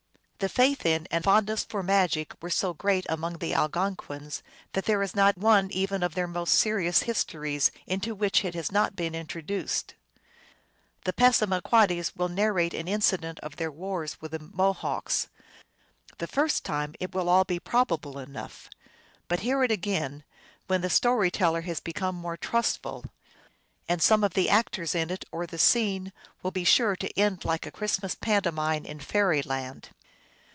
The faith in and fondness for magic were so great among the Algonquins that there is not one even of their most serious histories into which it has not been introduced. The Passamaquoddies will narrate an in cident of their wars with the Mohawks. The first time it will all be probable enough ; but hear it again, when the story teller has become more trustful, and some of the actors in it or the scene will be sure to end like a Christmas pantomime in fairy land.